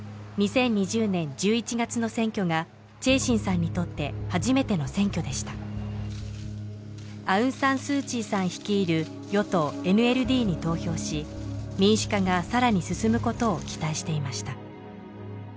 ２０２０年１１月の選挙がチェー・シンさんにとって初めての選挙でしたアウン・サン・スー・チーさん率いる与党ＮＬＤに投票し民主化がさらに進むことを期待していました